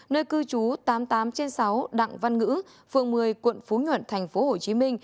nơi cư trú tám mươi tám trên sáu đặng văn ngữ phường một mươi quận phú nhuận tp hcm